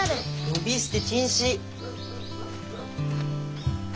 呼び捨て禁止！